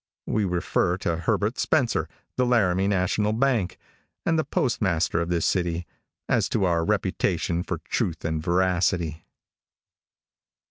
We refer to Herbert Spencer, the Laramie National Bank, and the postmaster of this city, as to our reputation for truth and veracity.